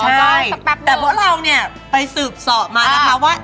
ใช่แต่พวกเราเนี่ยไปสืบสอบมานะคะว่า